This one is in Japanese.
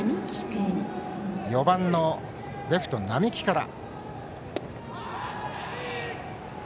４番のレフト、双木から。